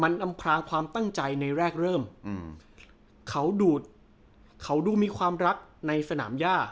มันอำพลางความตั้งใจในแรกเริ่มอืมเขาดูดเขาดูมีความรักในสนามย่า